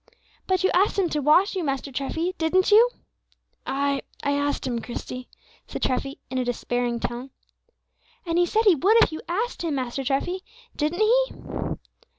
"But you asked Him to wash you, Master Treffy; didn't you?" "Ay, I asked Him, Christie," said Treffy, in a despairing tone. "And He said He would if you asked Him, Master Treffy; didn't He?"